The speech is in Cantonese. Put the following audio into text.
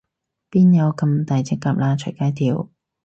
邊有噉大隻蛤乸隨街跳